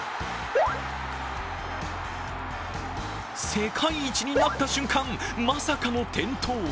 世界一になった瞬間、まさかの転倒。